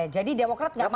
jadi demokrat nggak mau ya